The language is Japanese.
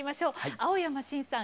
青山新さん